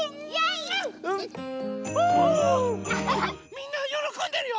みんなよろこんでるよ！